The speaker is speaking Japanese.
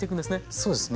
そうですね。